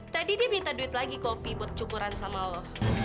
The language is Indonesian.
tadi dia minta duit lagi kopi buat cukuran sama allah